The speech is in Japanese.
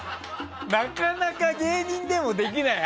なかなか芸人でもできないよ。